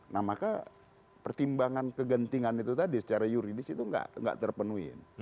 nah maka pertimbangan kegentingan itu tadi secara yuridis itu nggak terpenuhi